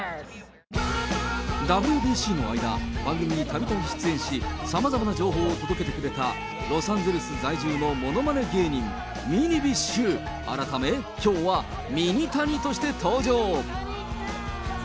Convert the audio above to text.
ＷＢＣの間、番組にたびたび出演し、さまざまな情報を届けてくれた、ロサンゼルス在住のものまね芸人、ミニビッシュ改め、きょうはミニタニとして登場。